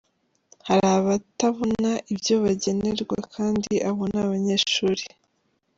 Hari abatabona ibyo bagenerwa kandi abo ni abanyeshuri.